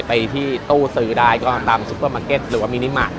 ไปที่ตู้ซื้อได้ก็ตามซุปเปอร์มาร์เก็ตหรือว่ามินิมาตร